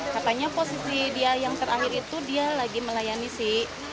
katanya posisi dia yang terakhir itu dia lagi melayani si